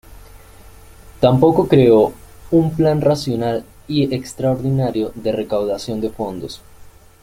Tampoco creó un plan racional y extraordinario de recaudación de fondos.